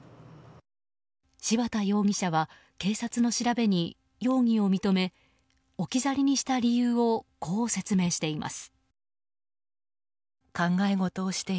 柴田容疑者は警察の調べに容疑を認め置き去りにした理由をこう説明しています。